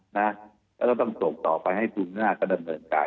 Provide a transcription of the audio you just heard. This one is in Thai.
ก็ต้องโปรดต่อไปให้ดูเรื่องนาฏกระดับเหมือนกัน